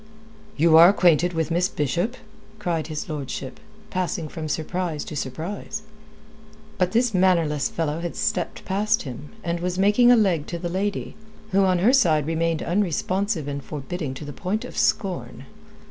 "You are acquainted with Miss Bishop?" cried his lordship, passing from surprise to surprise. But this mannerless fellow had stepped past him, and was making a leg to the lady, who on her side remained unresponsive and forbidding to the point of scorn.